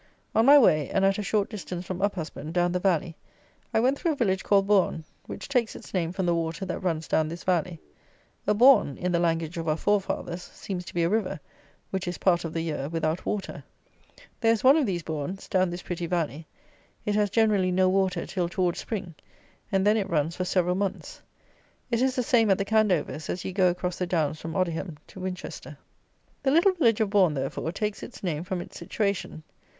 On my way, and at a short distance from Uphusband, down the valley, I went through a village called Bourn, which takes its name from the water that runs down this valley. A bourn, in the language of our forefathers, seems to be a river, which is, part of the year, without water. There is one of these bourns down this pretty valley. It has, generally, no water till towards Spring, and then it runs for several months. It is the same at the Candovers, as you go across the downs from Odiham to Winchester. The little village of Bourn, therefore, takes its name from its situation.